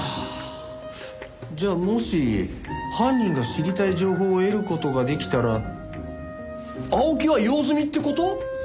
じゃあもし犯人が知りたい情報を得る事ができたら青木は用済みって事？